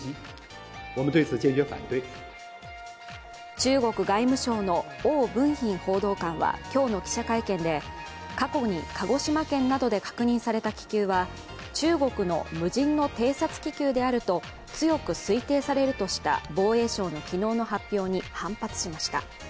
中国外務省の汪文斌報道官は今日の記者会見で過去に鹿児島県などで確認された気球は中国の無人の偵察気球であると強く推定されるとした防衛省の昨日の発表に反発しました。